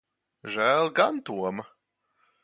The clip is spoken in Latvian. Žēl gan Toma.